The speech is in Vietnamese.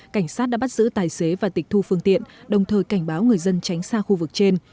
cảnh sát đã bắt giữ tài xế và tịch thu phương tiện đồng thời cảnh báo người dân tránh xa khu vực trên